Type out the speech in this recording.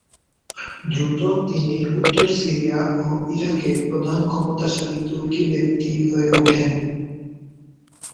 দ্রুত তিনি উত্তর সিরিয়া ও ইরাকে প্রধান ক্ষমতাশালী তুর্কি ব্যক্তি হয়ে উঠেন।